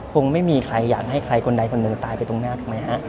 คงไม่มีใครอยากให้ใครคนใดคนหนึ่งตายไปตรงหน้าถูกไหมฮะ